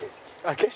景色？